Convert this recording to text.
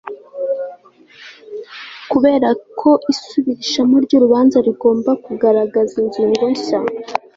Kubera ko isubirishamo ry urubanza rigomba kugaragaza ingingo nshya